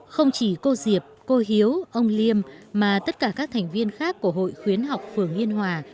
không chỉ cô diệp cô hiếu ông liêm mà tất cả các thành viên khác của hội khuyến học phường yên hòa